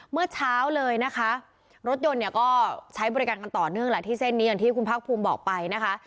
เมื่อเช้าเลยนะคะรถยนต์เนี่ยก็ใช้บริการกันต่อเนื่องแหละที่เส้นนี้อย่างที่คุณภาคภูมิบอกไปนะคะ